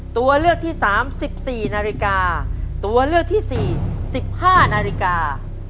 ตัวเลือกที่สาม๑๔นาฬิกาตัวเลือกที่สี่๑๕นาฬิกา